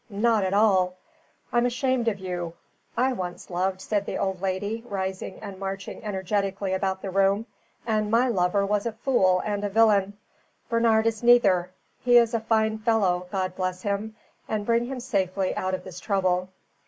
Not at all. I'm ashamed of you. I once loved," said the old lady, rising and marching energetically about the room, "and my lover was a fool and a villain. Bernard is neither. He is a fine fellow, God bless him and bring him safely out of this trouble!